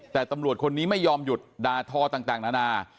แต่ตำรวจคนนี้ไม่ยอมหยุดด่าทอต่างนานา